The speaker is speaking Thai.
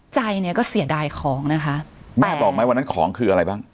ใจเนี้ยก็เสียดายของนะคะแม่บอกไหมวันนั้นของคืออะไรบ้าง